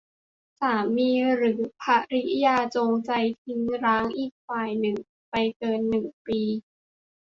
สามีหรือภริยาจงใจละทิ้งร้างอีกฝ่ายหนึ่งไปเกิน หนึ่ง ปี